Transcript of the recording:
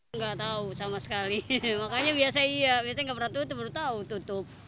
tidak tahu sama sekali makanya biasanya tidak pernah tutup baru tahu tutup